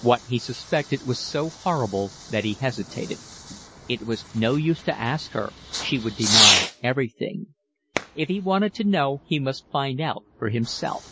What he suspected was so horrible that he hesitated. It was no use to ask her, she would deny everything; if he wanted to know he must find out for himself.